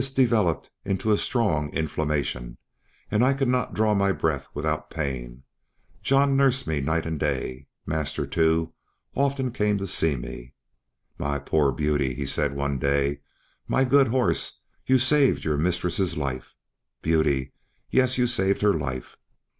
This developed into a strong inflammation, and I could not draw my breath without pain. John nursed me night and day. My master, too, often came to see me. "My poor Beauty," he said one day, "my good horse, you saved your mistress' life, Beauty; yes, you saved her life."